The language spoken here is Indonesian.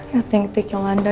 ya ting ting yolanda